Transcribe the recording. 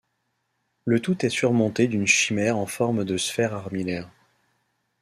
Le tout est surmonté d'une chimère en forme de Sphère armillaire.